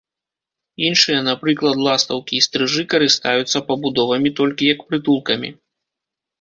Іншыя, напрыклад, ластаўкі і стрыжы, карыстаюцца пабудовамі толькі як прытулкамі.